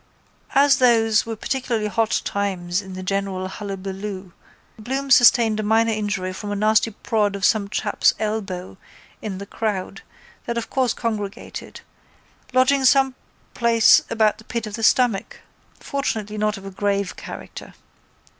As those were particularly hot times in the general hullaballoo Bloom sustained a minor injury from a nasty prod of some chap's elbow in the crowd that of course congregated lodging some place about the pit of the stomach, fortunately not of a grave character.